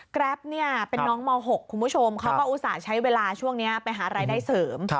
แรปเนี่ยเป็นน้องม๖คุณผู้ชมเขาก็อุตส่าห์ใช้เวลาช่วงนี้ไปหารายได้เสริม